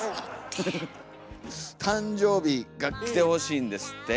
誕生日が来てほしいんですって。